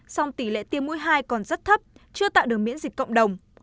song tỷ lệ tiêm mũi hai còn rất thấp chưa tạo được miễn dịch cộng đồng